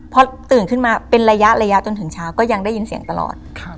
พอตื่นขึ้นมาเป็นระยะจนถึงเช้าก็ยังได้ยินเสียงตลอด